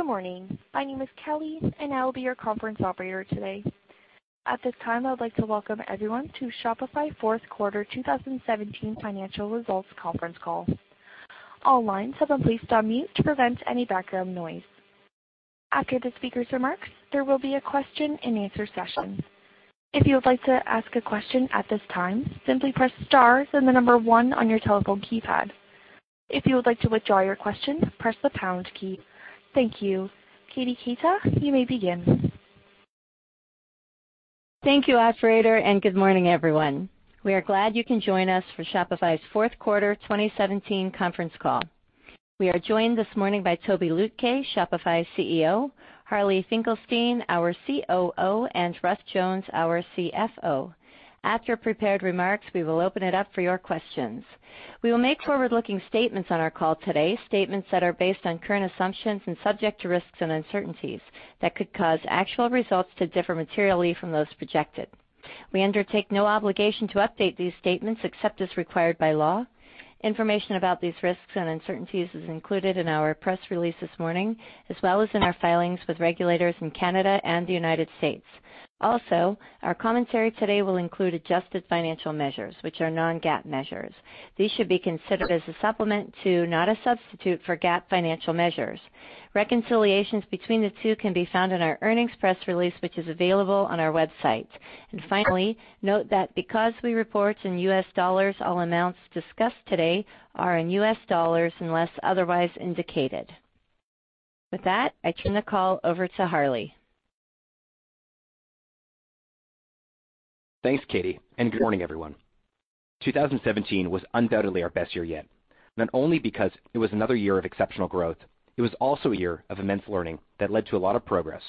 Good morning. My name is Kelly, and I will be your conference operator today. At this time, I would like to welcome everyone to Shopify fourth quarter 2017 financial results conference call. All lines have been placed on mute to prevent any background noise. After the speaker's remarks, there will be a question-and-answer session. If you would like to ask a question at this time, simply press star, then the number one on your telephone keypad. If you would like to withdraw your question, press the pound key. Thank you. Katie Keita, you may begin. Thank you, operator, and good morning, everyone. We are glad you can join us for Shopify's fourth quarter 2017 conference call. We are joined this morning by Tobi Lütke, Shopify's CEO, Harley Finkelstein, our COO, and Russ Jones, our CFO. After prepared remarks, we will open it up for your questions. We will make forward-looking statements on our call today, statements that are based on current assumptions and subject to risks and uncertainties that could cause actual results to differ materially from those projected. We undertake no obligation to update these statements except as required by law. Information about these risks and uncertainties is included in our press release this morning, as well as in our filings with regulators in Canada and the United States. Also, our commentary today will include adjusted financial measures, which are non-GAAP measures. These should be considered as a supplement to, not a substitute for GAAP financial measures. Reconciliations between the two can be found in our earnings press release, which is available on our website. Finally, note that because we report in U.S. dollars, all amounts discussed today are in U.S. dollars unless otherwise indicated. I turn the call over to Harley. Thanks, Katie, and good morning, everyone. 2017 was undoubtedly our best year yet. Not only because it was another year of exceptional growth, it was also a year of immense learning that led to a lot of progress.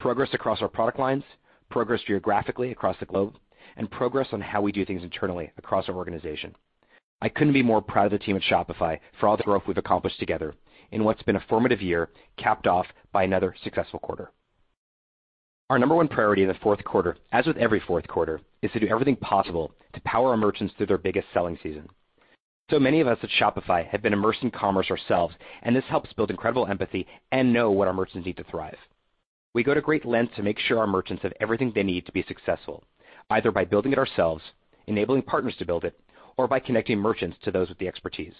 Progress across our product lines, progress geographically across the globe, and progress on how we do things internally across our organization. I couldn't be more proud of the team at Shopify for all the growth we've accomplished together in what's been a formative year, capped off by another successful quarter. Our number one priority in the fourth quarter, as with every fourth quarter, is to do everything possible to power our merchants through their biggest selling season. Many of us at Shopify have been immersed in commerce ourselves, and this helps build incredible empathy and know what our merchants need to thrive. We go to great lengths to make sure our merchants have everything they need to be successful, either by building it ourselves, enabling partners to build it, or by connecting merchants to those with the expertise.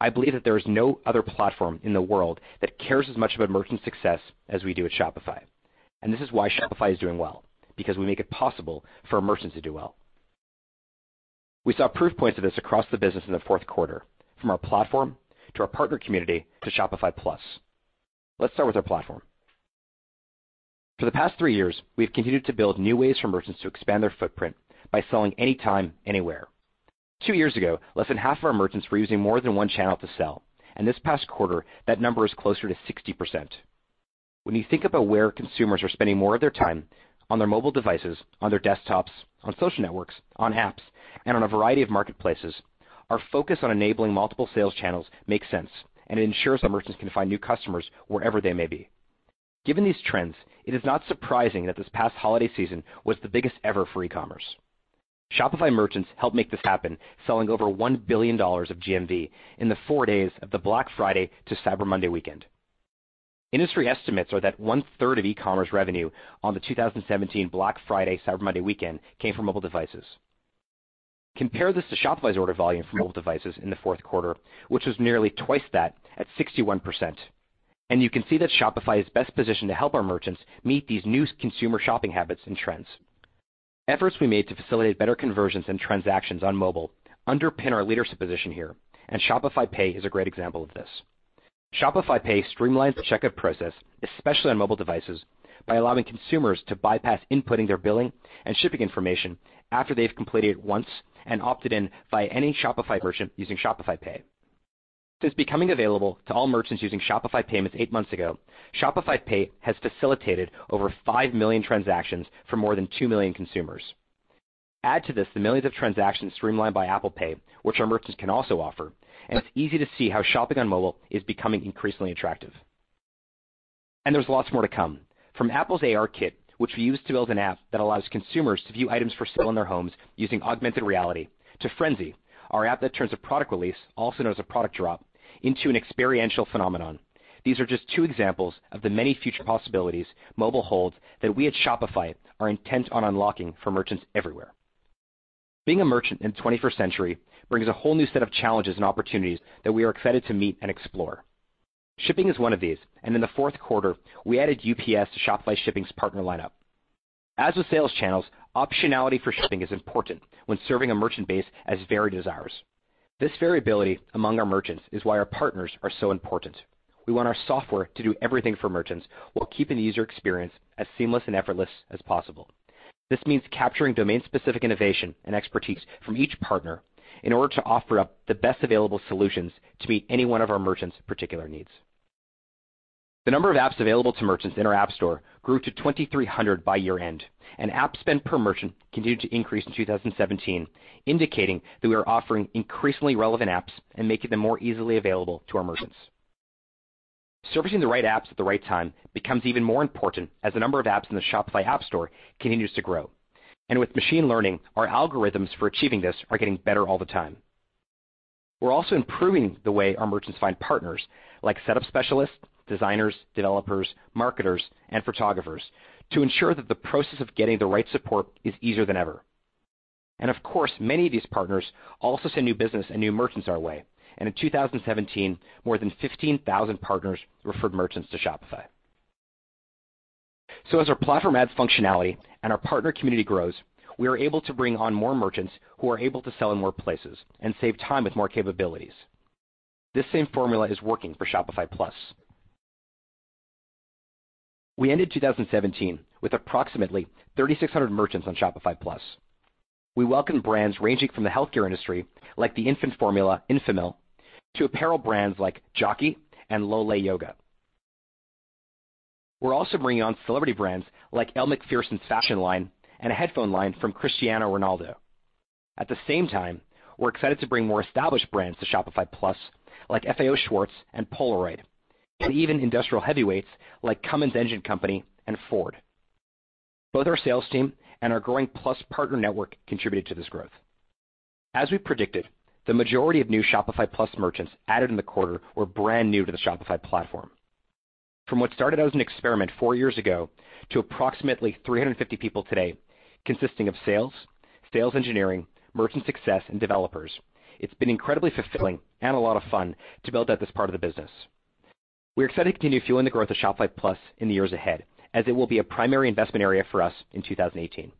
I believe that there is no other platform in the world that cares as much about merchant success as we do at Shopify. This is why Shopify is doing well, because we make it possible for our merchants to do well. We saw proof points of this across the business in the fourth quarter, from our platform to our partner community to Shopify Plus. Let's start with our platform. For the past three years, we've continued to build new ways for merchants to expand their footprint by selling anytime, anywhere. Two years ago, less than half of our merchants were using more than one channel to sell, and this past quarter, that number is closer to 60%. When you think about where consumers are spending more of their time, on their mobile devices, on their desktops, on social networks, on apps, and on a variety of marketplaces, our focus on enabling multiple sales channels makes sense and ensures our merchants can find new customers wherever they may be. Given these trends, it is not surprising that this past holiday season was the biggest ever for e-commerce. Shopify merchants helped make this happen, selling over $1 billion of GMV in the four days of the Black Friday to Cyber Monday weekend. Industry estimates are that 1/3 of e-commerce revenue on the 2017 Black Friday/Cyber Monday weekend came from mobile devices. Compare this to Shopify's order volume from mobile devices in the fourth quarter, which was nearly twice that at 61%. You can see that Shopify is best positioned to help our merchants meet these new consumer shopping habits and trends. Efforts we made to facilitate better conversions and transactions on mobile underpin our leadership position here. Shopify Pay is a great example of this. Shopify Pay streamlines the checkout process, especially on mobile devices, by allowing consumers to bypass inputting their billing and shipping information after they've completed it once and opted in via any Shopify merchant using Shopify Pay. Since becoming available to all merchants using Shopify Payments eight months ago, Shopify Pay has facilitated over 5 million transactions for more than 2 million consumers. Add to this the millions of transactions streamlined by Apple Pay, which our merchants can also offer, it's easy to see how shopping on mobile is becoming increasingly attractive. There's lots more to come. From Apple's ARKit, which we used to build an app that allows consumers to view items for sale in their homes using augmented reality, to Frenzy, our app that turns a product release, also known as a product drop, into an experiential phenomenon. These are just two examples of the many future possibilities mobile holds that we at Shopify are intent on unlocking for merchants everywhere. Being a merchant in the twenty-first century brings a whole new set of challenges and opportunities that we are excited to meet and explore. Shipping is one of these, in the fourth quarter, we added UPS to Shopify Shipping's partner lineup. As with sales channels, optionality for shipping is important when serving a merchant base as varied as ours. This variability among our merchants is why our partners are so important. We want our software to do everything for merchants while keeping the user experience as seamless and effortless as possible. This means capturing domain-specific innovation and expertise from each partner in order to offer up the best available solutions to meet any one of our merchants' particular needs. The number of apps available to merchants in our App Store grew to 2,300 by year-end, and app spend per merchant continued to increase in 2017, indicating that we are offering increasingly relevant apps and making them more easily available to our merchants. Surfacing the right apps at the right time becomes even more important as the number of apps in the Shopify App Store continues to grow. With machine learning, our algorithms for achieving this are getting better all the time. We're also improving the way our merchants find partners like setup specialists, designers, developers, marketers, and photographers to ensure that the process of getting the right support is easier than ever. Of course, many of these partners also send new business and new merchants our way. In 2017, more than 15,000 partners referred merchants to Shopify. As our platform adds functionality and our partner community grows, we are able to bring on more merchants who are able to sell in more places and save time with more capabilities. This same formula is working for Shopify Plus. We ended 2017 with approximately 3,600 merchants on Shopify Plus. We welcome brands ranging from the healthcare industry, like the infant formula Enfamil, to apparel brands like Jockey and Lolë Yoga. We are also bringing on celebrity brands like Elle Macpherson's fashion line and a headphone line from Cristiano Ronaldo. At the same time, we are excited to bring more established brands to Shopify Plus, like FAO Schwarz and Polaroid, and even industrial heavy weights like Cummins Engine Company and Ford. Both our sales team and our growing Plus partner network contributed to this growth. As we predicted, the majority of new Shopify Plus merchants added in the quarter were brand new to the Shopify platform. From what started out as an experiment four years ago to approximately 350 people today, consisting of sales, sales engineering, merchant success, and developers, it has been incredibly fulfilling and a lot of fun to build out this part of the business. We're excited to continue fueling the growth of Shopify Plus in the years ahead, as it will be a primary investment area for us in 2018.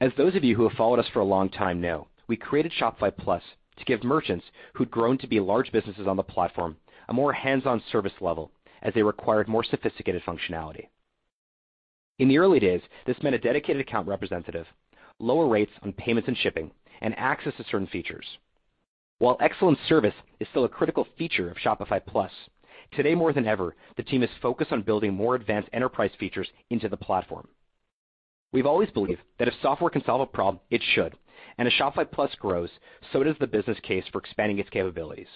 As those of you who have followed us for a long time know, we created Shopify Plus to give merchants who'd grown to be large businesses on the platform a more hands-on service level as they required more sophisticated functionality. In the early days, this meant a dedicated account representative, lower rates on payments and shipping, and access to certain features. While excellent service is still a critical feature of Shopify Plus, today more than ever, the team is focused on building more advanced enterprise features into the platform. We've always believed that if software can solve a problem, it should, and as Shopify Plus grows, so does the business case for expanding its capabilities.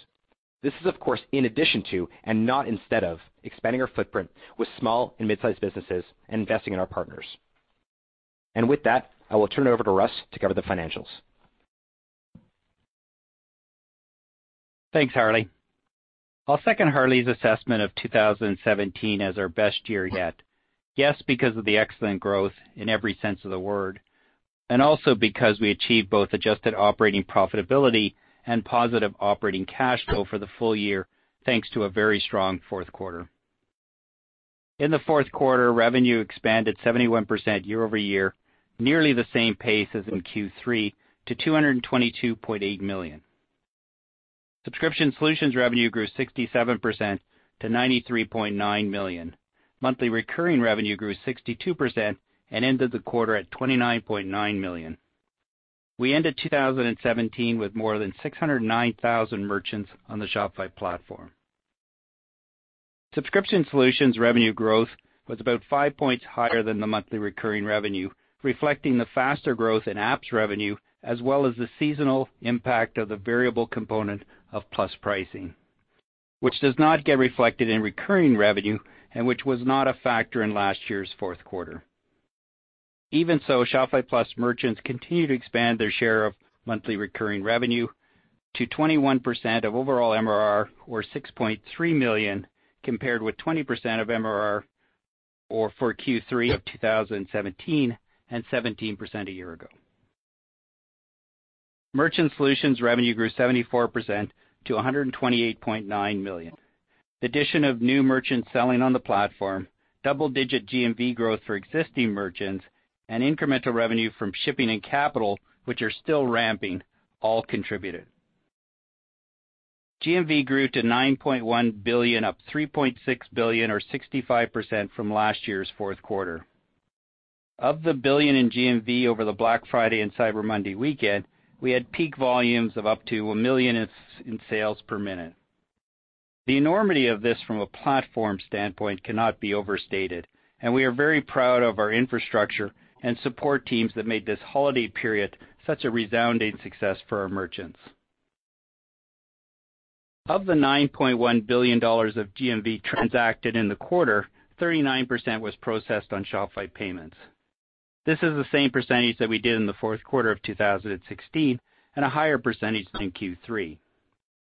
This is, of course, in addition to, and not instead of, expanding our footprint with small and mid-sized businesses and investing in our partners. With that, I will turn it over to Russ to cover the financials. Thanks, Harley. I'll second Harley's assessment of 2017 as our best year yet. Yes, because of the excellent growth in every sense of the word, and also because we achieved both adjusted operating profitability and positive operating cash flow for the full year, thanks to a very strong fourth quarter. In the fourth quarter, revenue expanded 71% year-over-year, nearly the same pace as in Q3, to $222.8 million. Subscription Solutions revenue grew 67% to $93.9 million. Monthly recurring revenue grew 62% and ended the quarter at $29.9 million. We ended 2017 with more than 609,000 merchants on the Shopify platform. Subscription Solutions revenue growth was about five points higher than the monthly recurring revenue, reflecting the faster growth in Apps revenue, as well as the seasonal impact of the variable component of Plus pricing, which does not get reflected in recurring revenue and which was not a factor in last year's fourth quarter. Even so, Shopify Plus merchants continue to expand their share of monthly recurring revenue to 21% of overall MRR or $6.3 million, compared with 20% of MRR or for Q3 of 2017 and 17% a year ago. Merchant Solutions revenue grew 74% to $128.9 million. The addition of new merchants selling on the platform, double-digit GMV growth for existing merchants, and incremental revenue from Shopify Shipping and Shopify Capital, which are still ramping, all contributed. GMV grew to $9.1 billion, up $3.6 billion or 65% from last year's fourth quarter. Of the $1 billion in GMV over the Black Friday and Cyber Monday weekend, we had peak volumes of up to $1 million in sales per minute. The enormity of this from a platform standpoint cannot be overstated, and we are very proud of our infrastructure and support teams that made this holiday period such a resounding success for our merchants. Of the $9.1 billion of GMV transacted in the quarter, 39% was processed on Shopify Payments. This is the same percentage that we did in the fourth quarter of 2016 and a higher percentage than in Q3.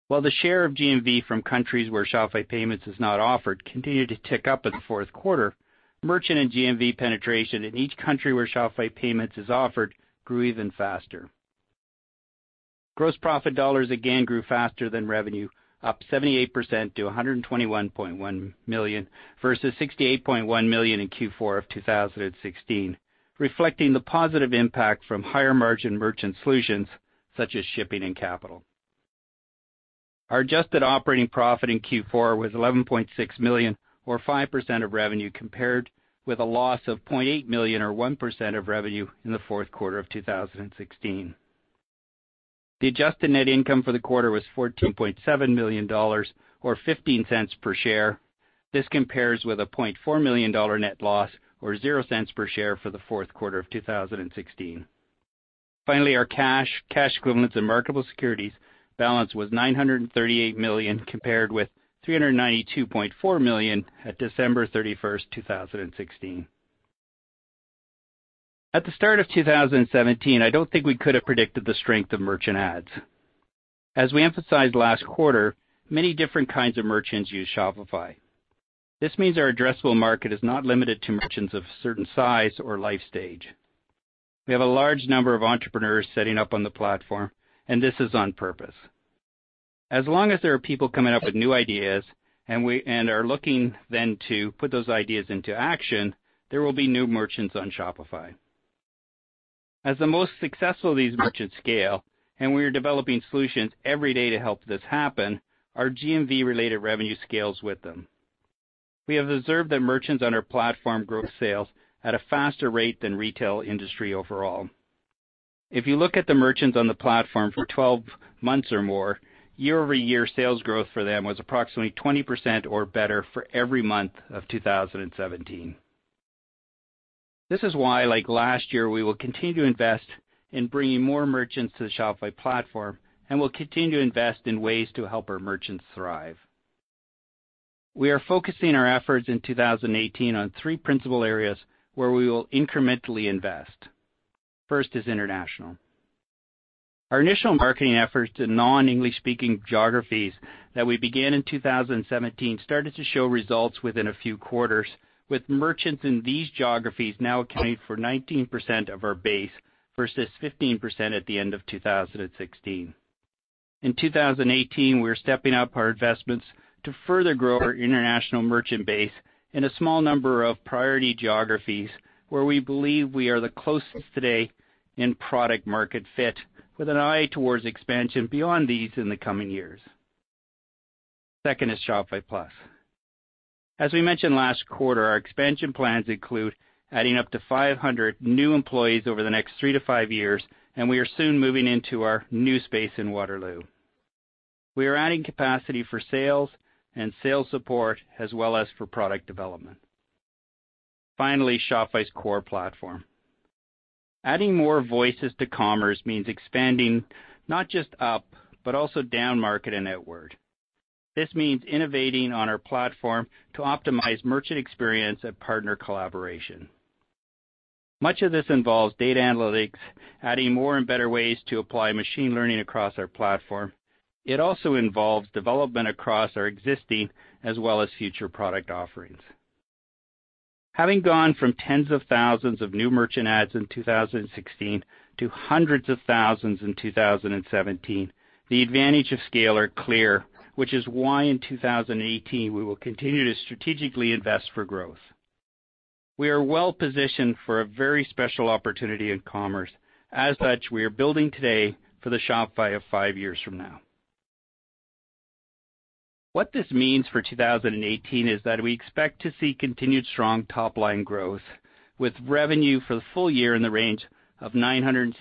While the share of GMV from countries where Shopify Payments is not offered continued to tick up in the fourth quarter, merchant and GMV penetration in each country where Shopify Payments is offered grew even faster. Gross profit dollars again grew faster than revenue, up 78% to $121.1 million, versus $68.1 million in Q4 of 2016, reflecting the positive impact from higher-margin merchant solutions such as shipping and capital. Our adjusted operating profit in Q4 was $11.6 million or 5% of revenue compared with a loss of $0.8 million or 1% of revenue in the fourth quarter of 2016. The adjusted net income for the quarter was $14.7 million or $0.15 per share. This compares with a $0.4 million net loss or $0.00 per share for the fourth quarter of 2016. Finally, our cash equivalents and marketable securities balance was $938 million, compared with $392.4 million at December 31st, 2016. At the start of 2017, I don't think we could have predicted the strength of merchant adds. As we emphasized last quarter, many different kinds of merchants use Shopify. This means our addressable market is not limited to merchants of a certain size or life stage. We have a large number of entrepreneurs setting up on the platform. This is on purpose. As long as there are people coming up with new ideas and are looking then to put those ideas into action, there will be new merchants on Shopify. As the most successful of these merchants scale, and we are developing solutions every day to help this happen, our GMV-related revenue scales with them. We have observed that merchants on our platform grow sales at a faster rate than retail industry overall. If you look at the merchants on the platform for 12 months or more, year-over-year sales growth for them was approximately 20% or better for every month of 2017. This is why, like last year, we will continue to invest in bringing more merchants to the Shopify platform and will continue to invest in ways to help our merchants thrive. We are focusing our efforts in 2018 on three principal areas where we will incrementally invest. First is international. Our initial marketing efforts to non-English speaking geographies that we began in 2017 started to show results within a few quarters, with merchants in these geographies now accounting for 19% of our base versus 15% at the end of 2016. In 2018, we're stepping up our investments to further grow our international merchant base in a small number of priority geographies where we believe we are the closest today in product-market fit, with an eye towards expansion beyond these in the coming years. Second is Shopify Plus. As we mentioned last quarter, our expansion plans include adding up to 500 new employees over the next three to five years, and we are soon moving into our new space in Waterloo. We are adding capacity for sales and sales support as well as for product development. Finally, Shopify's core platform. Adding more voices to commerce means expanding not just up, but also down market and outward. This means innovating on our platform to optimize merchant experience and partner collaboration. Much of this involves data analytics, adding more and better ways to apply machine learning across our platform. It also involves development across our existing as well as future product offerings. Having gone from tens of thousands of new merchant adds in 2016 to hundreds of thousands in 2017, the advantage of scale are clear, which is why in 2018, we will continue to strategically invest for growth. We are well positioned for a very special opportunity in commerce. As such, we are building today for the Shopify of five years from now. What this means for 2018 is that we expect to see continued strong top-line growth with revenue for the full year in the range of $970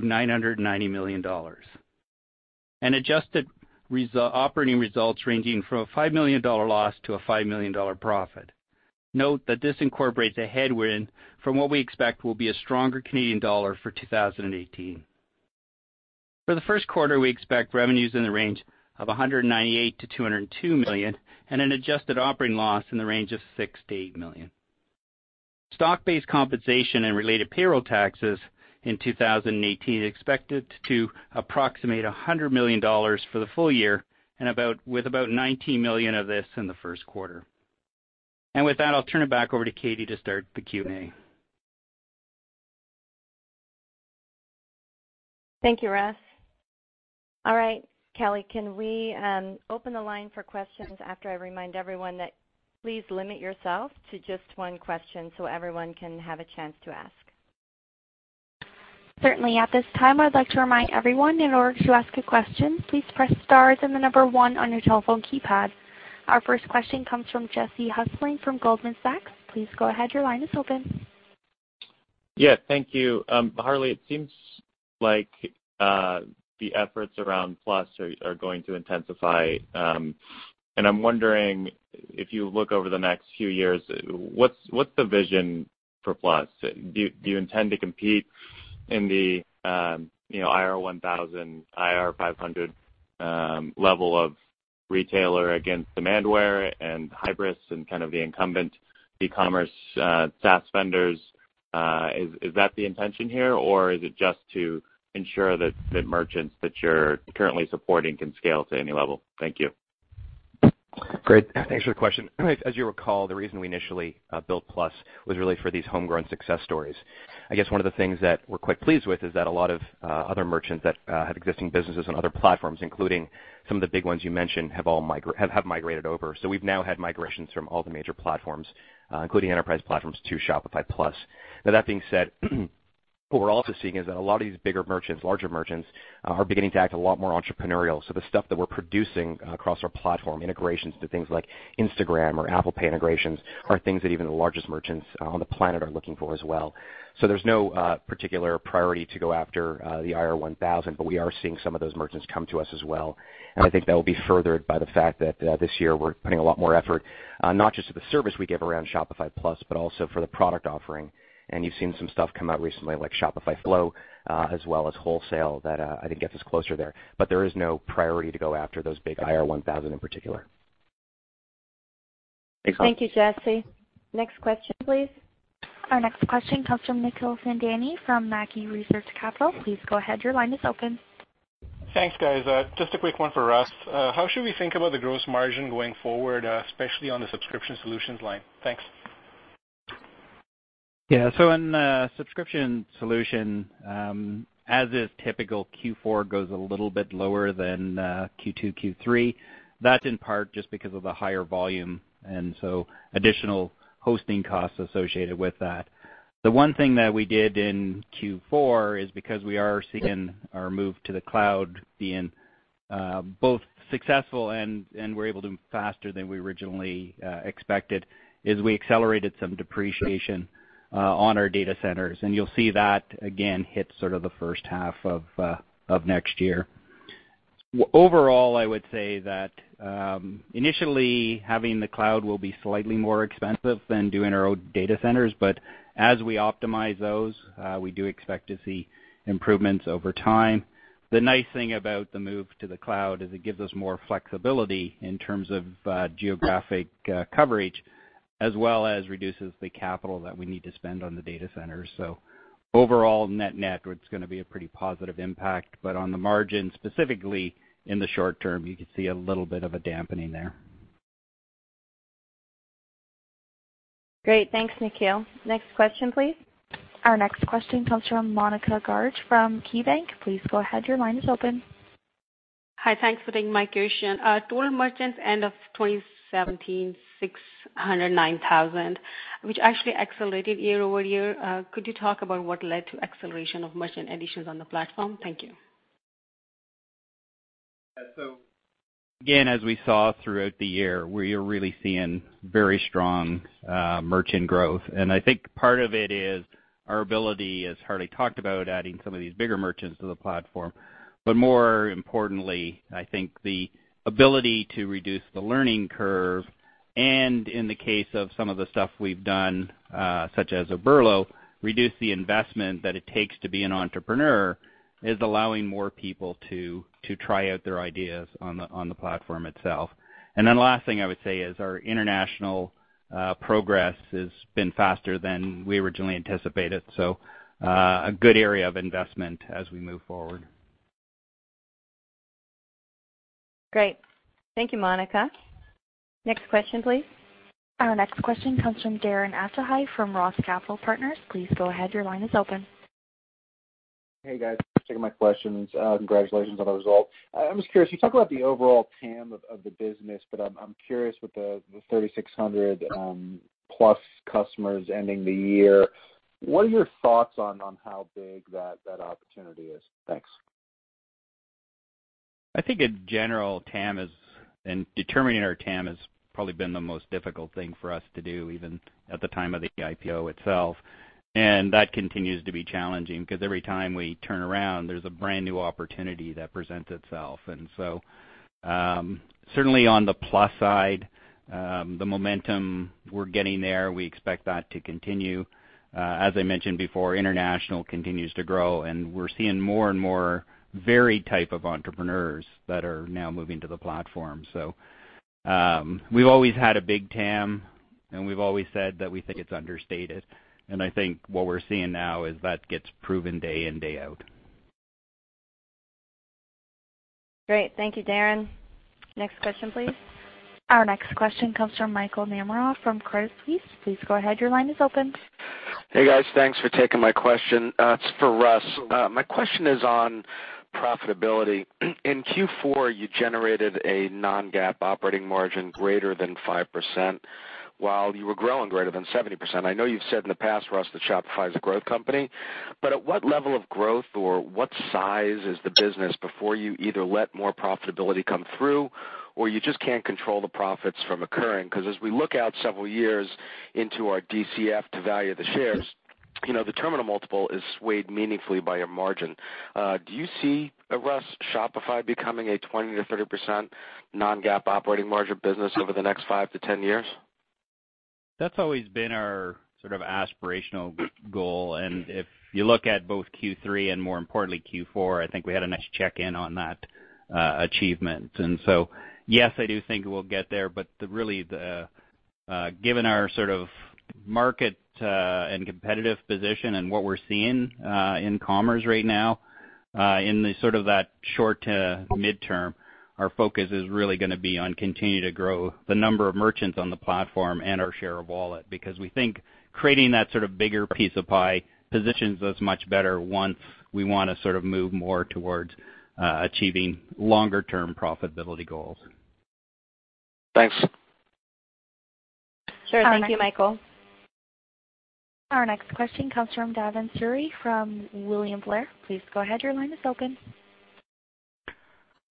million-$990 million. Adjusted operating results ranging from a $5 million loss to a $5 million profit. Note that this incorporates a headwind from what we expect will be a stronger Canadian dollar for 2018. For the first quarter, we expect revenues in the range of $198 million-$202 million and an adjusted operating loss in the range of $6 million-$8 million. Stock-based compensation and related payroll taxes in 2018 expected to approximate $100 million for the full year, with about $19 million of this in the first quarter. With that, I'll turn it back over to Katie to start the Q&A. Thank you, Russ. All right, Kelly, can we open the line for questions after I remind everyone that please limit yourself to just one question so everyone can have a chance to ask? Certainly. At this time, I'd like to remind everyone, in order to ask a question, please press star then the number one on your telephone keypad. Our first question comes from Jesse Hulsing from Goldman Sachs. Please go ahead, your line is open. Yeah, thank you. Harley, it seems like the efforts around Plus are going to intensify. I'm wondering, if you look over the next few years, what's the vision for Plus? Do you intend to compete in the, you know, IR 1000, IR 500 level of retailer against Demandware and Hybris and kind of the incumbent e-commerce SaaS vendors? Is that the intention here? Or is it just to ensure that the merchants that you're currently supporting can scale to any level? Thank you. Great. Thanks for the question. As you recall, the reason we initially built Plus was really for these homegrown success stories. I guess one of the things that we're quite pleased with is that a lot of other merchants that have existing businesses on other platforms, including some of the big ones you mentioned, have all migrated over. We've now had migrations from all the major platforms, including enterprise platforms, to Shopify Plus. That being said, what we're also seeing is that a lot of these bigger merchants, larger merchants, are beginning to act a lot more entrepreneurial. The stuff that we're producing across our platform, integrations to things like Instagram or Apple Pay integrations, are things that even the largest merchants on the planet are looking for as well. There's no particular priority to go after the IR 1,000, but we are seeing some of those merchants come to us as well. I think that will be furthered by the fact that this year we're putting a lot more effort, not just to the service we give around Shopify Plus, but also for the product offering. You've seen some stuff come out recently, like Shopify Flow, as well as wholesale, that I think gets us closer there. There is no priority to go after those big IR 1,000 in particular. Thank you, Jesse. Next question, please. Our next question comes from Nikhil Thadani from Mackie Research Capital. Please go ahead. Your line is open. Thanks, guys. Just a quick one for Russ. How should we think about the gross margin going forward, especially on the Subscription Solutions line? Thanks. In subscription solution, as is typical Q4 goes a little bit lower than Q2, Q3. That's in part just because of the higher volume, and additional hosting costs associated with that. The one thing that we did in Q4 is because we are seeing our move to the cloud being both successful and we're able to move faster than we originally expected, is we accelerated some depreciation on our data centers. You'll see that again hit sort of the first half of next year. Overall, I would say that initially having the cloud will be slightly more expensive than doing our own data centers. As we optimize those, we do expect to see improvements over time. The nice thing about the move to the cloud is it gives us more flexibility in terms of geographic coverage as well as reduces the capital that we need to spend on the data centers. Overall net-net, it's gonna be a pretty positive impact. On the margin specifically in the short term, you could see a little bit of a dampening there. Great. Thanks, Nikhil. Next question, please. Our next question comes from Monika Garg from KeyBanc. Please go ahead. Your line is open. Hi. Thanks for taking my question. Total merchants end of 2017, 609,000, which actually accelerated year over year. Could you talk about what led to acceleration of merchant additions on the platform? Thank you. Yeah. Again, as we saw throughout the year, we are really seeing very strong merchant growth. I think part of it is our ability, as Harley talked about, adding some of these bigger merchants to the platform. More importantly, I think the ability to reduce the learning curve, and in the case of some of the stuff we've done, such as Oberlo, reduce the investment that it takes to be an entrepreneur, is allowing more people to try out their ideas on the platform itself. Last thing I would say is our international progress has been faster than we originally anticipated, so a good area of investment as we move forward. Great. Thank you, Monika. Next question, please. Our next question comes from Darren Aftahi from ROTH Capital Partners. Please go ahead. Your line is open. Hey, guys. Thanks for taking my questions. Congratulations on the results. I'm just curious, you talk about the overall TAM of the business, but I'm curious with the 3,600+ customers ending the year, what are your thoughts on how big that opportunity is? Thanks. I think in general, TAM is, in determining our TAM has probably been the most difficult thing for us to do even at the time of the IPO itself. That continues to be challenging because every time we turn around there's a brand new opportunity that presents itself. Certainly on the plus side, the momentum we're getting there, we expect that to continue. As I mentioned before, international continues to grow and we're seeing more and more varied type of entrepreneurs that are now moving to the platform. We've always had a big TAM, and we've always said that we think it's understated. I think what we're seeing now is that gets proven day in, day out. Great. Thank you, Darren. Next question, please. Our next question comes from Michael Nemeroff from Credit Suisse. Please go ahead. Your line is open. Hey, guys. Thanks for taking my question. It's for Russ. My question is on profitability. In Q4, you generated a non-GAAP operating margin greater than 5% while you were growing greater than 70%. I know you've said in the past, Russ, that Shopify is a growth company, but at what level of growth or what size is the business before you either let more profitability come through or you just can't control the profits from occurring? 'Cause as we look out several years into our DCF to value the shares, you know, the terminal multiple is swayed meaningfully by your margin. Do you see, Russ, Shopify becoming a 20%-30% non-GAAP operating margin business over the next 5-10 years? That's always been our sort of aspirational goal. If you look at both Q3 and more importantly Q4, I think we had a nice check-in on that achievement. Yes, I do think we'll get there, but really the given our sort of market and competitive position and what we're seeing in commerce right now in the sort of that short to midterm, our focus is really gonna be on continuing to grow the number of merchants on the platform and our share of wallet because we think creating that sort of bigger piece of pie positions us much better once we wanna sort of move more towards achieving longer term profitability goals. Thanks. Sure. Thank you, Michael. Our next question comes from Bhavan Suri from William Blair. Please go ahead. Your line is open.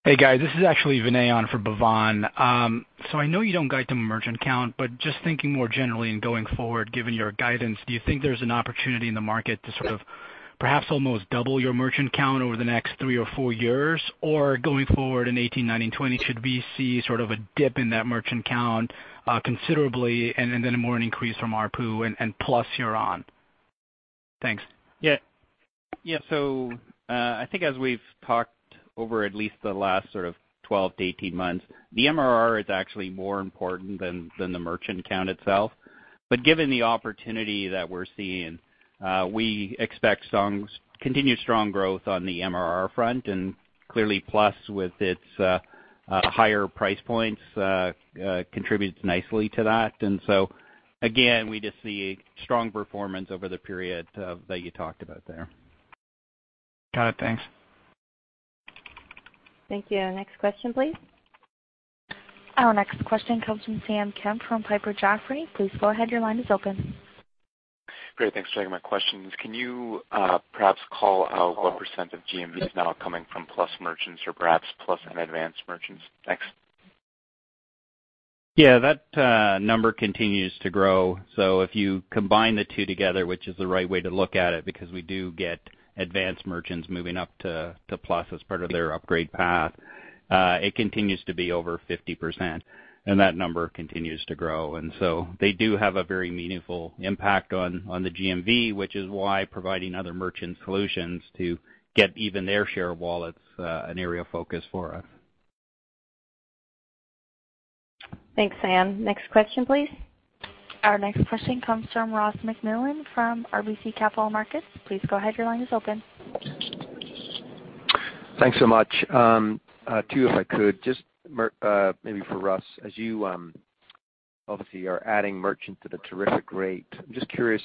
Hey, guys. This is actually Arjun for Bhavan. I know you don't guide to merchant count, but just thinking more generally in going forward, given your guidance, do you think there's an opportunity in the market to sort of perhaps almost double your merchant count over the next three or four years? Or going forward in 2018, 2019, 2020, should we see sort of a dip in that merchant count considerably and then more an increase from ARPU and plus here on? Thanks. Yeah. Yeah. I think as we've talked over at least the last sort of 12-18 months, the MRR is actually more important than the merchant count itself. Given the opportunity that we're seeing, we expect some continued strong growth on the MRR front, and clearly Plus with its higher price points contributes nicely to that. Again, we just see strong performance over the period that you talked about there. Got it. Thanks. Thank you. Next question, please. Our next question comes from Sam Kemp from Piper Jaffray. Please go ahead. Your line is open. Great. Thanks for taking my questions. Can you perhaps call out what percent of GMV is now coming from Plus merchants or perhaps Plus and advanced merchants? Thanks. Yeah, that number continues to grow. If you combine the two together, which is the right way to look at it, because we do get advanced merchants moving up to Plus as part of their upgrade path, it continues to be over 50%, and that number continues to grow. They do have a very meaningful impact on the GMV, which is why providing other merchant solutions to get even their share of wallet's an area of focus for us. Thanks, Sam. Next question, please. Our next question comes from Ross MacMillan from RBC Capital Markets. Please go ahead. Your line is open. Thanks so much. Two, if I could. Just maybe for Russ, as you obviously are adding merchant at a terrific rate, I'm just curious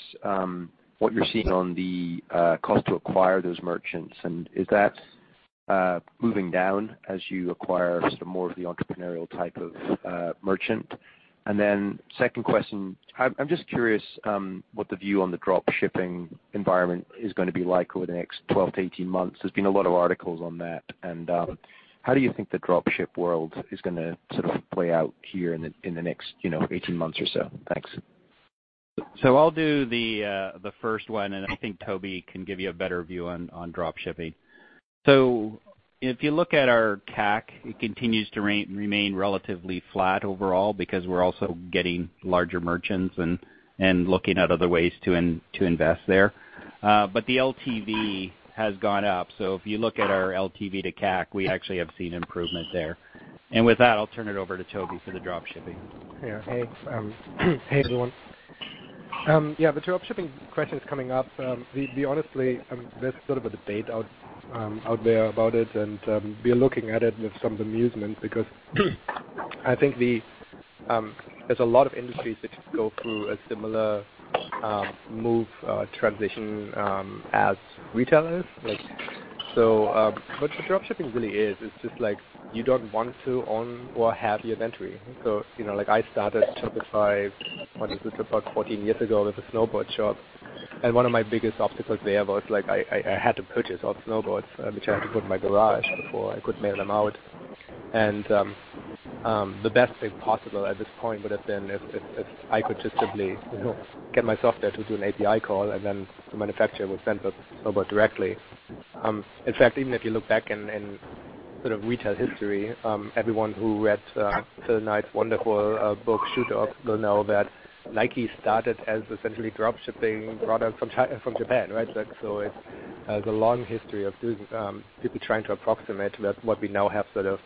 what you're seeing on the cost to acquire those merchants. Is that moving down as you acquire some more of the entrepreneurial type of merchant? Second question, I'm just curious what the view on the dropshipping environment is gonna be like over the next 12-18 months. There's been a lot of articles on that. How do you think the dropship world is gonna sort of play out here in the, in the next, you know, 18 months or so? Thanks. I'll do the first one, and I think Tobi can give you a better view on dropshipping. If you look at our CAC, it continues to remain relatively flat overall because we're also getting larger merchants and looking at other ways to invest there. The LTV has gone up. If you look at our LTV to CAC, we actually have seen improvement there. With that, I'll turn it over to Tobi for the dropshipping. Yeah. Thanks. Hey, everyone. Yeah, the dropshipping question is coming up. We honestly, there's sort of a debate out there about it, and we're looking at it with some amusement because I think the, there's a lot of industries that go through a similar transition as retailers like. What dropshipping really is just like you don't want to own or have your inventory. You know, like I started Shopify, what is this, about 14 years ago with a snowboard shop, and one of my biggest obstacles there was like I had to purchase all the snowboards, which I had to put in my garage before I could mail them out. The best thing possible at this point would have been if I could just simply, you know, get my software to do an API call and then the manufacturer would send the snowboard directly. In fact, even if you look back in sort of retail history, everyone who read Phil Knight's wonderful book, Shoe Dog, will know that Nike started as essentially dropshipping products from Japan, right? So it's the long history of doing people trying to approximate what we now have sort of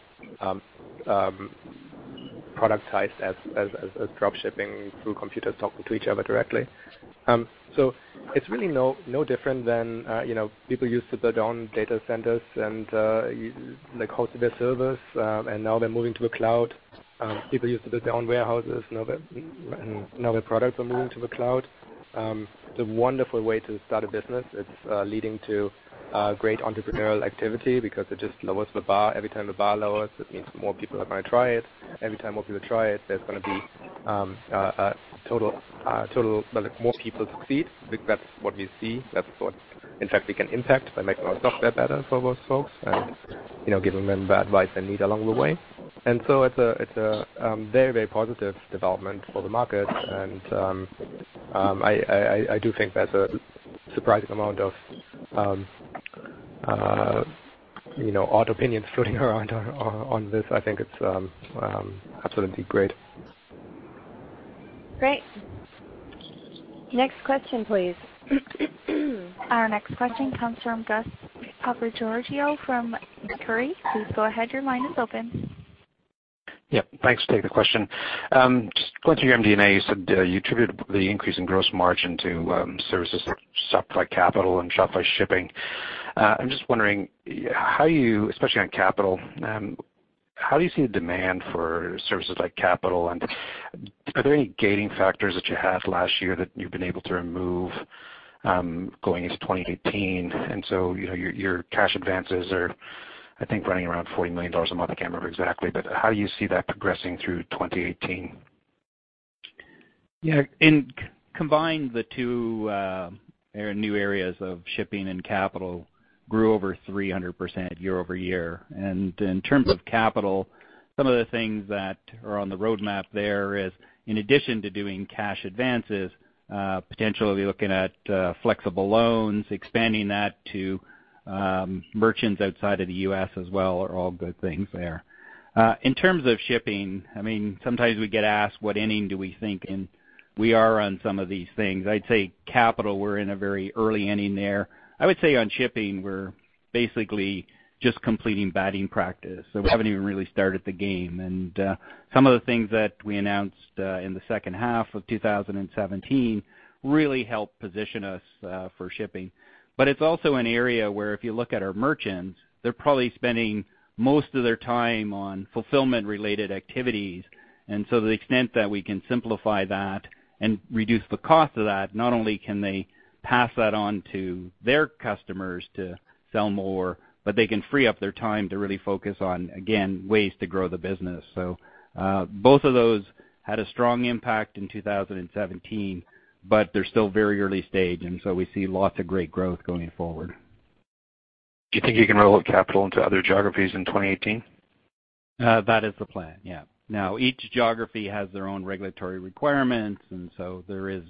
productized as dropshipping through computers talking to each other directly. So it's really no different than, you know, people used to build their own data centers and like host their servers, and now they're moving to the cloud. People used to build their own warehouses. Now their products are moving to the cloud. It's a wonderful way to start a business. It's leading to great entrepreneurial activity because it just lowers the bar. Every time the bar lowers, it means more people are gonna try it. Every time more people try it, there's gonna be a total like more people succeed. That's what we see. That's what in fact we can impact by making our software better for those folks and, you know, giving them the advice they need along the way. It's a very, very positive development for the market. I do think there's a surprising amount of, you know, odd opinions floating around on this. I think it's absolutely great. Great. Next question, please. Our next question comes from Gus Papageorgiou from Macquarie. Please go ahead. Your line is open. Thanks. I take the question. Just going through your MD&A, you said, you attributed the increase in gross margin to services like Shopify Capital and Shopify Shipping. I'm just wondering how you, especially on Capital, how do you see the demand for services like Capital, and are there any gating factors that you had last year that you've been able to remove, going into 2018? You know, your cash advances are, I think, running around $40 million a month. I can't remember exactly. How do you see that progressing through 2018? Yeah. In combine the two new areas of shipping and capital grew over 300% year-over-year. In terms of capital, some of the things that are on the roadmap there is, in addition to doing cash advances, potentially looking at flexible loans, expanding that to merchants outside of the U.S. as well, are all good things there. In terms of shipping, I mean, sometimes we get asked what inning do we think and we are on some of these things. I'd say capital, we're in a very early inning there. I would say on shipping, we're basically just completing batting practice. We haven't even really started the game. Some of the things that we announced in the second half of 2017 really helped position us for shipping. It's also an area where if you look at our merchants, they're probably spending most of their time on fulfillment-related activities. To the extent that we can simplify that and reduce the cost of that, not only can they pass that on to their customers to sell more, but they can free up their time to really focus on, again, ways to grow the business. Both of those had a strong impact in 2017, but they're still very early stage, and so we see lots of great growth going forward. Do you think you can roll out capital into other geographies in 2018? That is the plan, yeah. Each geography has their own regulatory requirements, there is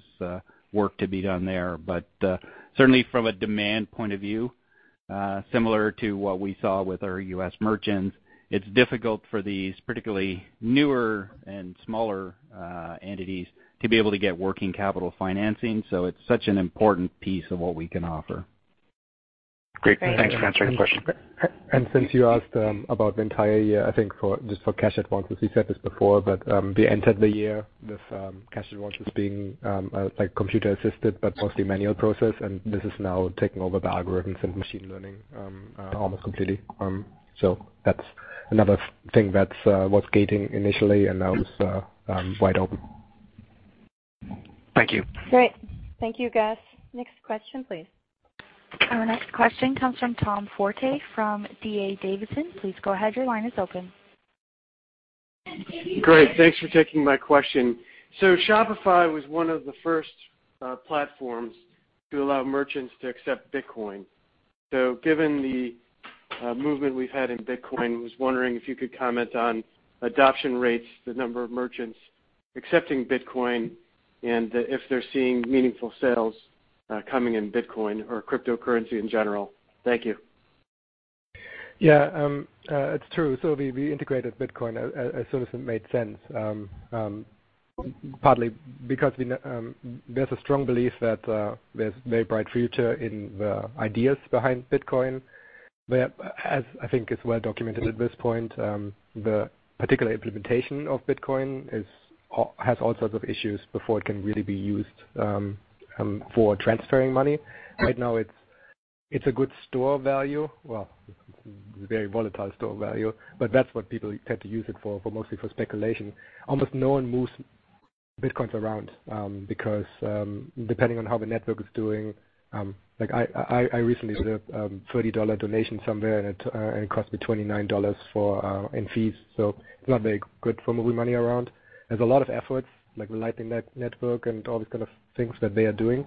work to be done there. Certainly from a demand point of view, similar to what we saw with our U.S. merchants, it's difficult for these particularly newer and smaller entities to be able to get working capital financing, it's such an important piece of what we can offer. Great. Thanks for answering the question. Since you asked about the entire year, I think just for cash advances, we said this before, we entered the year with cash advances being like computer-assisted, but mostly manual process, and this is now taking over the algorithms and machine learning almost completely. That's another thing that's was gating initially and now is wide open. Thank you. Great. Thank you, guys. Next question, please. Our next question comes from Tom Forte from D.A. Davidson. Please go ahead, your line is open. Great. Thanks for taking my question. Shopify was one of the first platforms to allow merchants to accept Bitcoin. Given the movement we've had in Bitcoin, was wondering if you could comment on adoption rates, the number of merchants accepting Bitcoin, and if they're seeing meaningful sales coming in Bitcoin or cryptocurrency in general. Thank you. Yeah, it's true. We integrated Bitcoin as soon as it made sense, partly because there's a strong belief that there's very bright future in the ideas behind Bitcoin. As I think it's well documented at this point, the particular implementation of Bitcoin has all sorts of issues before it can really be used for transferring money. Right now, it's a good store value. Very volatile store value, but that's what people tend to use it for, mostly for speculation. Almost no one moves Bitcoins around, because depending on how the network is doing, like I recently did a $30 donation somewhere and it cost me $29 for in fees. It's not very good for moving money around. There's a lot of efforts, like the Lightning Network and all these kind of things that they are doing.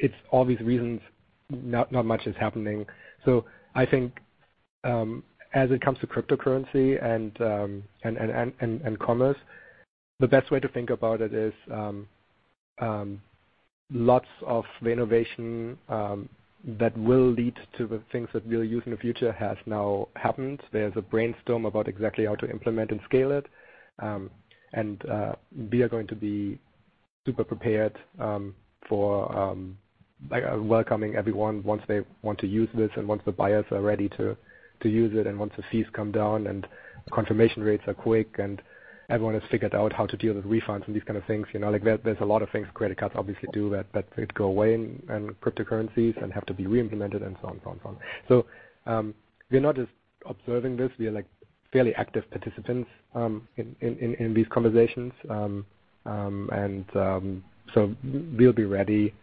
It's all these reasons not much is happening. I think, as it comes to cryptocurrency and commerce, the best way to think about it is lots of the innovation that will lead to the things that we'll use in the future has now happened. There's a brainstorm about exactly how to implement and scale it. We are going to be super prepared for like welcoming everyone once they want to use this and once the buyers are ready to use it, and once the fees come down and confirmation rates are quick and everyone has figured out how to deal with refunds and these kind of things. You know, like there's a lot of things credit cards obviously do that go away in cryptocurrencies and have to be re-implemented and so on and so on. We're not just observing this. We are like fairly active participants in these conversations. We'll be ready.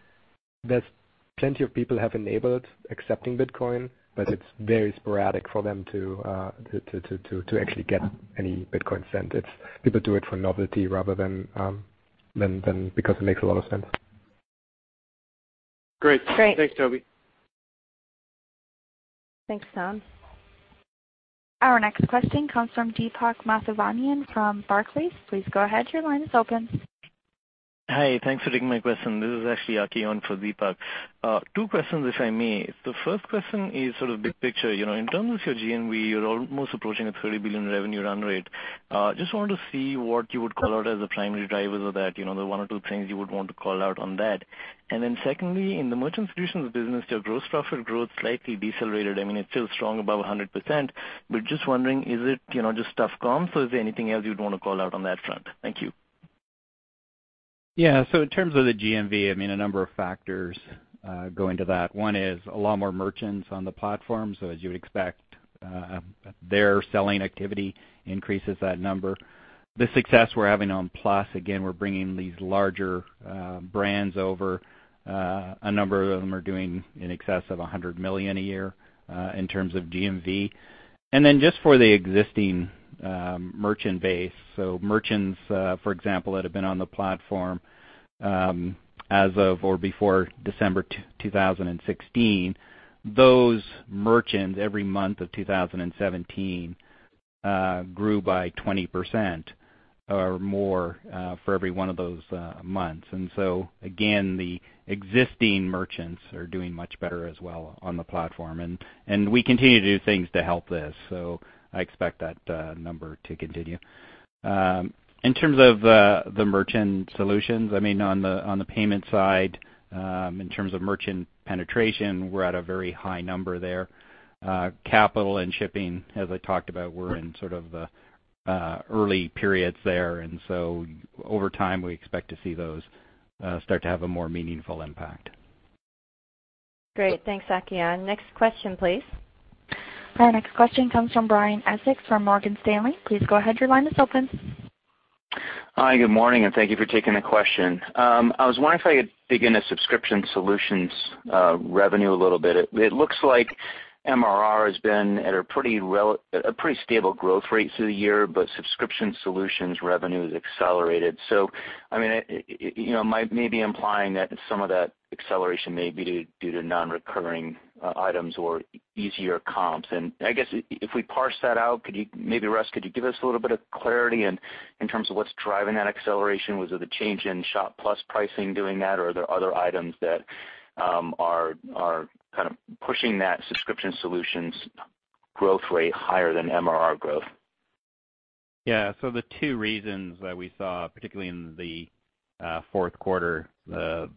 There's plenty of people have enabled accepting Bitcoin, but it's very sporadic for them to actually get any Bitcoin sent. It's people do it for novelty rather than because it makes a lot of sense. Great. Great. Thanks, Tobi. Thanks, Tom. Our next question comes from Deepak Mathivanan from Barclays. Please go ahead, your line is open. Hi, thanks for taking my question. This is actually Aki Agrawal for Deepak. Two questions, if I may. The first question is sort of big picture. You know, in terms of your GMV, you're almost approaching a $30 billion revenue run rate. Just wanted to see what you would call out as the primary drivers of that, you know, the one or two things you would want to call out on that. Secondly, in the merchant solutions business, your gross profit growth slightly decelerated. I mean, it's still strong above 100%. Just wondering, is it, you know, just tough comp or is there anything else you'd want to call out on that front? Thank you. Yeah. In terms of the GMV, I mean, a number of factors go into that. One is a lot more merchants on the platform. As you would expect, their selling activity increases that number. The success we're having on Plus, again, we're bringing these larger brands over. A number of them are doing in excess of $100 million a year in terms of GMV. Just for the existing merchant base, so merchants, for example, that have been on the platform as of or before December 2016. Those merchants every month of 2017 grew by 20% or more for every one of those months. Again, the existing merchants are doing much better as well on the platform. We continue to do things to help this. I expect that number to continue. In terms of the merchant solutions, I mean, on the payment side, in terms of merchant penetration, we're at a very high number there. Capital and shipping, as I talked about, we're in sort of early periods there. Over time, we expect to see those start to have a more meaningful impact. Great. Thanks, Aki. Next question, please. Our next question comes from Brian Essex from Morgan Stanley. Hi, good morning, and thank you for taking the question. I was wondering if I could dig into Subscription Solutions revenue a little bit. It looks like MRR has been at a pretty stable growth rate through the year, but Subscription Solutions revenue has accelerated. I mean, you know, maybe implying that some of that acceleration may be due to non-recurring items or easier comps. I guess if we parse that out, could you maybe, Russ, give us a little bit of clarity in terms of what's driving that acceleration? Was it the change in Shopify Plus pricing doing that, or are there other items that are kind of pushing that Subscription Solutions growth rate higher than MRR growth? Yeah. The two reasons that we saw, particularly in the fourth quarter, the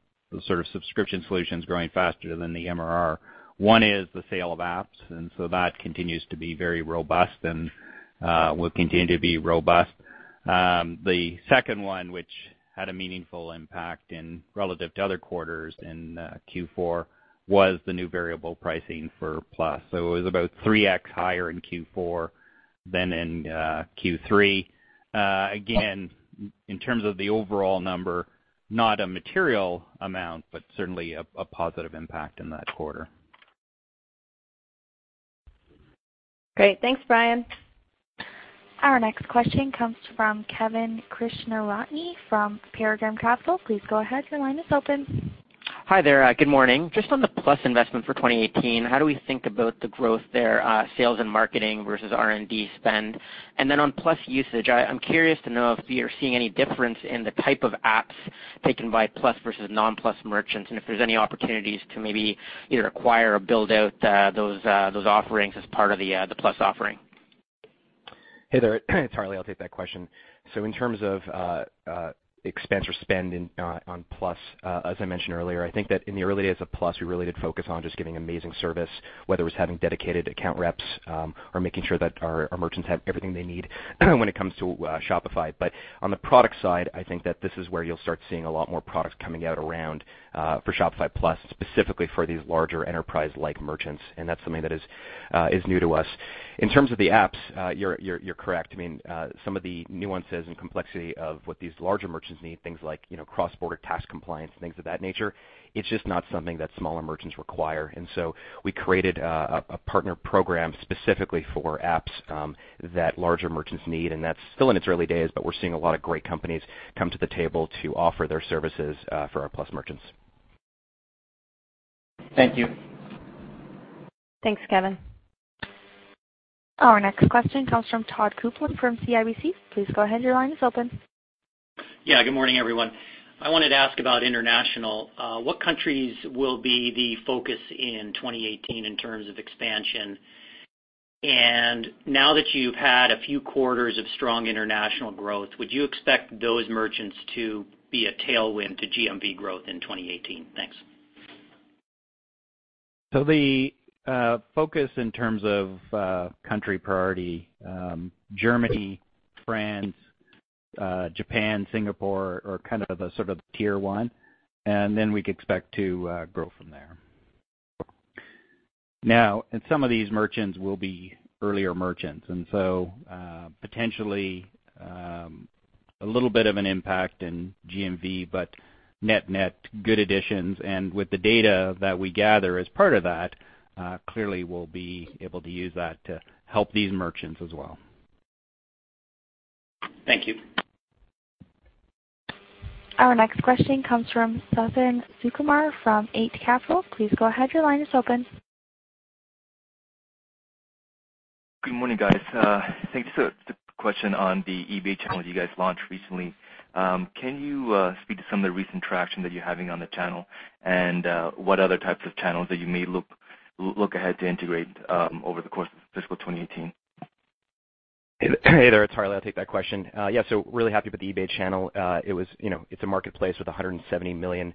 sort of Subscription Solutions growing faster than the MRR. One is the sale of apps, that continues to be very robust and will continue to be robust. The second one, which had a meaningful impact in relative to other quarters in Q4, was the new variable pricing for Plus. It was about 3x higher in Q4 than in Q3. Again, in terms of the overall number, not a material amount, but certainly a positive impact in that quarter. Great. Thanks, Brian. Our next question comes from Kevin Krishnaratne from Paradigm Capital. Please go ahead. Hi there. good morning. Just on the Plus investment for 2018, how do we think about the growth there, sales and marketing versus R&D spend? On Plus usage, I'm curious to know if you're seeing any difference in the type of apps taken by Plus versus non-Plus merchants, and if there's any opportunities to maybe either acquire or build out, those offerings as part of the Plus offering. Hey there. It's Harley. I'll take that question. In terms of expense or spend in on Plus, as I mentioned earlier, I think that in the early days of Plus, we really did focus on just giving amazing service, whether it was having dedicated account reps, or making sure that our merchants have everything they need when it comes to Shopify. On the product side, I think that this is where you'll start seeing a lot more products coming out around for Shopify Plus, specifically for these larger enterprise-like merchants, and that's something that is new to us. In terms of the apps, you're correct. I mean, some of the nuances and complexity of what these larger merchants need, things like, cross-border tax compliance, things of that nature, it's just not something that smaller merchants require. We created a partner program specifically for apps that larger merchants need, and that's still in its early days, but we're seeing a lot of great companies come to the table to offer their services for our Plus merchants. Thank you. Thanks, Kevin. Our next question comes from Todd Coupland from CIBC. Please go ahead. Your line is open. Good morning, everyone. I wanted to ask about international. What countries will be the focus in 2018 in terms of expansion? Now that you've had a few quarters of strong international growth, would you expect those merchants to be a tailwind to GMV growth in 2018? Thanks. The focus in terms of country priority, Germany, France, Japan, Singapore are kind of the sort of Tier 1, and then we could expect to grow from there. Now, some of these merchants will be earlier merchants, and so potentially a little bit of an impact in GMV, but net-net, good additions. With the data that we gather as part of that, clearly we'll be able to use that to help these merchants as well. Thank you. Our next question comes from Suthan Sukumar from Eight Capital. Please go ahead. Your line is open. Good morning, guys. Thank you. The question on the eBay channel that you guys launched recently, can you speak to some of the recent traction that you're having on the channel and what other types of channels that you may look ahead to integrate over the course of fiscal 2018? Hey there, it's Harley. I'll take that question. Yeah, really happy with the eBay channel. It was, you know, it's a marketplace with 170 million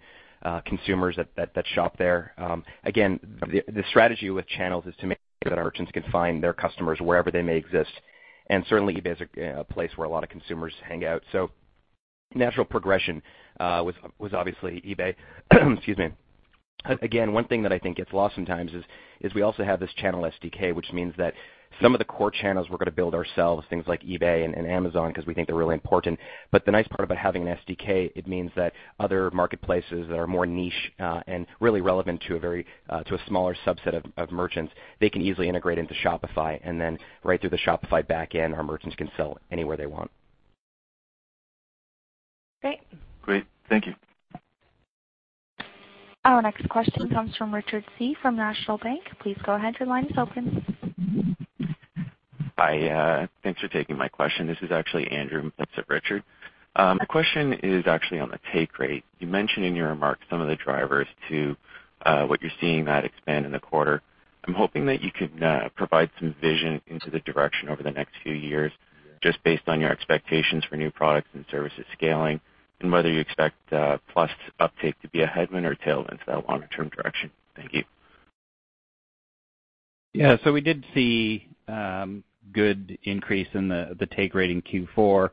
consumers that shop there. Again, the strategy with channels is to make sure that our merchants can find their customers wherever they may exist. Certainly, eBay is a place where a lot of consumers hang out. Natural progression was obviously eBay. Excuse me. One thing that I think gets lost sometimes is we also have this channel SDK, which means that some of the core channels we're gonna build ourselves, things like eBay and Amazon, 'cause we think they're really important. The nice part about having an SDK, it means that other marketplaces that are more niche, and really relevant to a very, to a smaller subset of merchants, they can easily integrate into Shopify and then right through the Shopify backend, our merchants can sell anywhere they want. Great. Great. Thank you. Our next question comes from Richard Tse from National Bank. Please go ahead, your line is open. Hi, thanks for taking my question. This is actually Andrew in for Richard. My question is actually on the take rate. You mentioned in your remarks some of the drivers to what you're seeing that expand in the quarter. I'm hoping that you could provide some vision into the direction over the next few years, just based on your expectations for new products and services scaling, and whether you expect Plus uptake to be a headwind or tailwind for that longer-term direction. Thank you. We did see good increase in the take rate in Q4.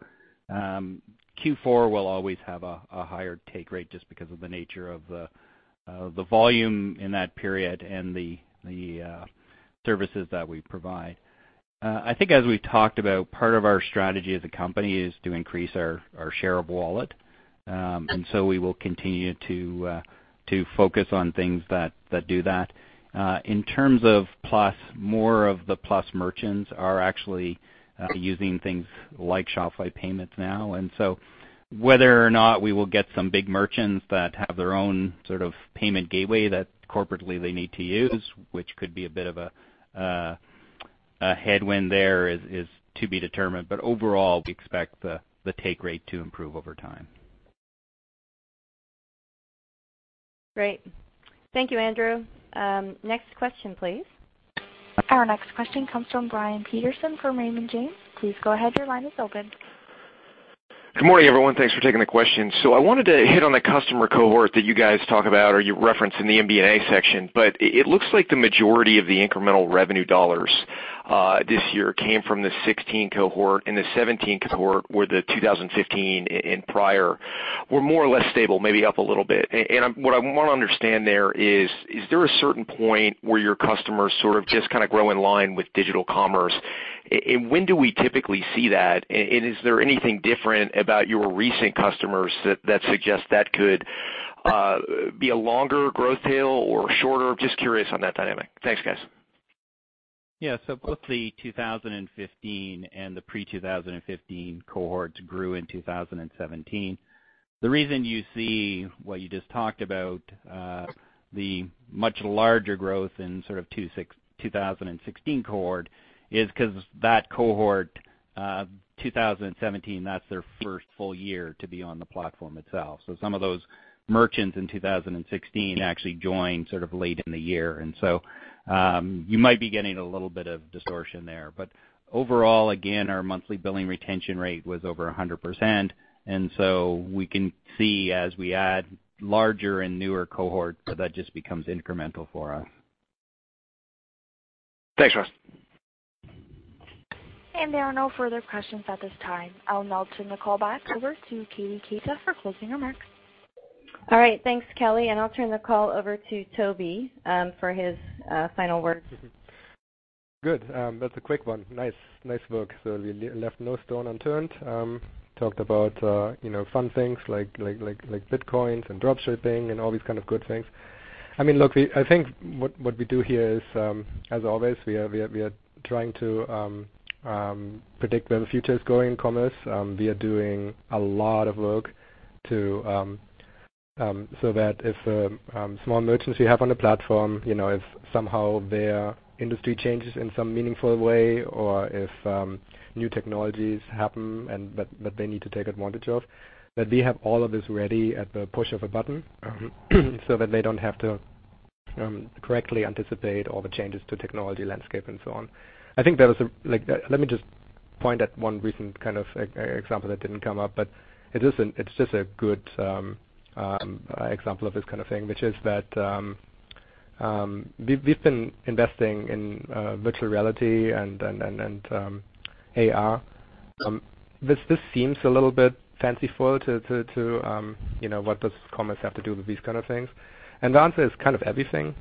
Q4 will always have a higher take rate just because of the nature of the volume in that period and the services that we provide. I think as we've talked about, part of our strategy as a company is to increase our share of wallet. We will continue to focus on things that do that. In terms of Plus, more of the Plus merchants are actually using things like Shopify Payments now. Whether or not we will get some big merchants that have their own sort of payment gateway that corporately they need to use, which could be a bit of a headwind there is to be determined. Overall, we expect the take rate to improve over time. Great. Thank you, Andrew. Next question, please. Our next question comes from Brian Peterson from Raymond James. Please go ahead, your line is open. Good morning, everyone. Thanks for taking the question. I wanted to hit on the customer cohort that you guys talk about, or you reference in the MD&A section. It looks like the majority of the incremental revenue dollars this year came from the 2016 cohort and the 2017 cohort, where the 2015 and prior were more or less stable, maybe up a little bit. What I wanna understand there is there a certain point where your customers sort of just kinda grow in line with digital commerce? When do we typically see that? Is there anything different about your recent customers that suggest that could be a longer growth tail or shorter? Just curious on that dynamic. Thanks, guys. Both the 2015 and the pre-2015 cohorts grew in 2017. The reason you see what you just talked about, the much larger growth in sort of 2016 cohort is because that cohort, 2017, that's their first full year to be on the platform itself. Some of those merchants in 2016 actually joined sort of late in the year. You might be getting a little bit of distortion there. Overall, again, our monthly billing retention rate was over 100%. We can see as we add larger and newer cohorts, that just becomes incremental for us. Thanks, Russ. There are no further questions at this time. I'll now turn the call back over to Tobi Lütke for closing remarks. All right. Thanks, Kelly. I'll turn the call over to Tobi for his final words. Good. That's a quick one. Nice. Nice work. We left no stone unturned. Talked about, you know, fun things like Bitcoins and dropshipping and all these kind of good things. I mean, look, I think what we do here is, as always, we are trying to predict where the future is going in commerce. We are doing a lot of work to so that if small merchants we have on the platform, you know, if somehow their industry changes in some meaningful way or if new technologies happen and that they need to take advantage of, that we have all of this ready at the push of a button, so that they don't have to correctly anticipate all the changes to technology landscape and so on. I think there was a like, let me just point at one recent kind of example that didn't come up, but It's just a good example of this kind of thing, which is that we've been investing in virtual reality and AR. This seems a little bit fanciful to you know, what does commerce have to do with these kind of things? The answer is kind of everything.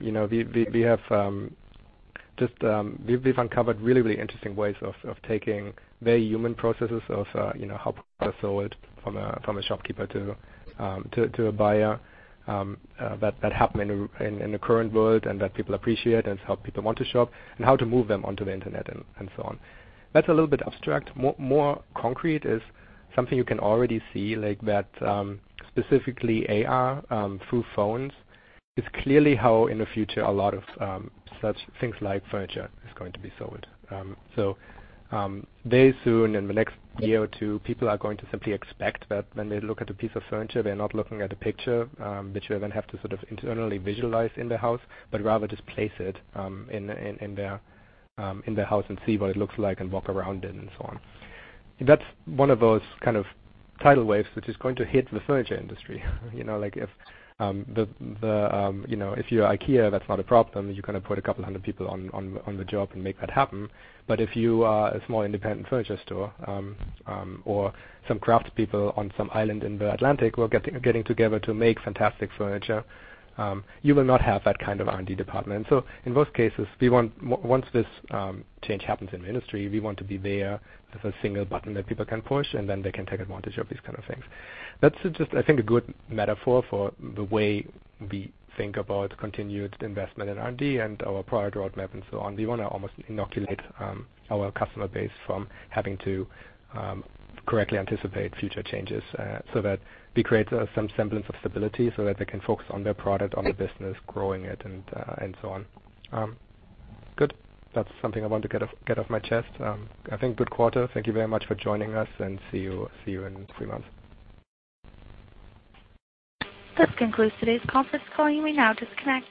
You know, we have just we've uncovered really interesting ways of taking very human processes of, you know, how to sell it from a shopkeeper to a buyer that happen in the current world and that people appreciate and it's how people want to shop and how to move them onto the internet and so on. That's a little bit abstract. More concrete is something you can already see like that, specifically AR through phones is clearly how in the future a lot of such things like furniture is going to be sold. Very soon in the next year or two, people are going to simply expect that when they look at a piece of furniture, they're not looking at a picture, which they then have to sort of internally visualize in their house, but rather just place it in their house and see what it looks like and walk around it and so on. That's one of those kind of tidal waves which is going to hit the furniture industry. You know, like if, you know, if you're IKEA, that's not a problem. You kind of put a couple hundred people on the job and make that happen. If you are a small independent furniture store, or some craft people on some island in the Atlantic who are getting together to make fantastic furniture, you will not have that kind of R&D department. In most cases, we want once this change happens in the industry, we want to be there with a single button that people can push, and then they can take advantage of these kind of things. That's just, I think, a good metaphor for the way we think about continued investment in R&D and our product roadmap and so on. We wanna almost inoculate our customer base from having to correctly anticipate future changes so that we create some semblance of stability so that they can focus on their product, on their business, growing it, and so on. Good. That's something I want to get off my chest. I think good quarter. Thank you very much for joining us, and see you in three months. This concludes today's conference call. You may now disconnect.